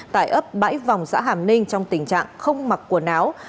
tại ấp bãi vòng xã hàm ninh trong tình trạng không mặc quần áo